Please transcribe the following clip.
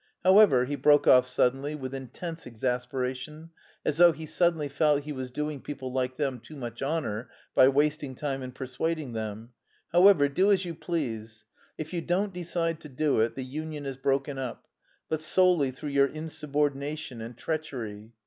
However," he broke off suddenly with intense exasperation, as though he suddenly felt he was doing people like them too much honour by wasting time in persuading them, "however, do as you please. If you don't decide to do it, the union is broken up but solely through your insubordination and treachery.